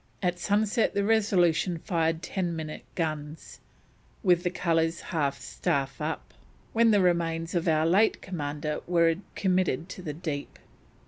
At sunset the Resolution fired ten minute guns, with the colours half staff up, when the remains of our late Commander were committed to the deep."